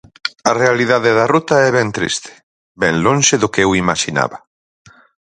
A realidade da ruta é ben triste, ben lonxe do que eu imaxinaba.